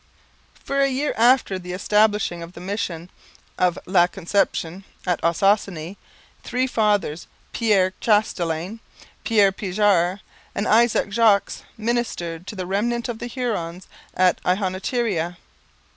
For a year after the establishing of the mission of La Conception at Ossossane three fathers Pierre Chastelain, Pierre Pijart, and Isaac Jogues ministered to the remnant of the Hurons at Ihonatiria.